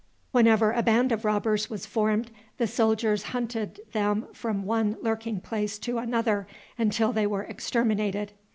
Whenever a band of robbers was formed, the soldiers hunted them from one lurking place to another until they were exterminated.